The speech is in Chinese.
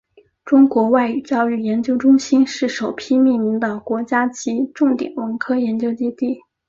中国外语教育研究中心是首批命名的国家级重点文科研究基地。